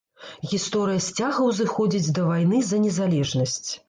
Гісторыя сцяга ўзыходзіць да вайны за незалежнасць.